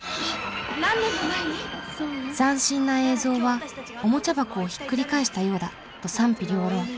斬新な映像は「おもちゃ箱をひっくり返したようだ」と賛否両論。